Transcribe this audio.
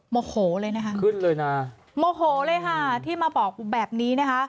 โมโหเลยนะคะขึ้นเลยนะโมโหเลยค่ะที่มาบอกแบบนี้นะคะ